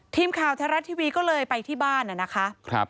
ทีมข่าวแท้รัฐทีวีก็เลยไปที่บ้านนะคะ